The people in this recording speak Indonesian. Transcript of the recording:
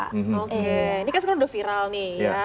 oke ini kan sekarang udah viral nih ya